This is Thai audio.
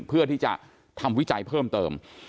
เพื่อที่จะทำวิจัยเพิ่มเติม